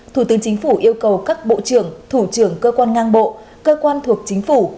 thủ tướng chính phủ yêu cầu các bộ trưởng thủ trưởng cơ quan ngang bộ cơ quan thuộc chính phủ